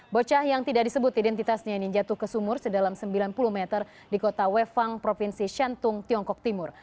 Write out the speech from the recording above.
bocah yang tidak disebut identitasnya ini jatuh ke sumur sedalam sembilan puluh meter di kota wefang provinsi shantung tiongkok timur